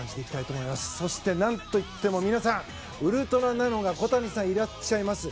そして何といっても皆さんウルトラなのが小谷さんがいらっしゃいます。